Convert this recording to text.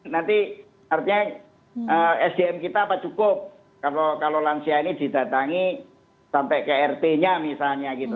nanti artinya sdm kita apa cukup kalau lansia ini didatangi sampai ke rt nya misalnya gitu